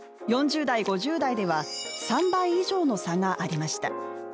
４０代、５０代では、３倍以上の差がありました。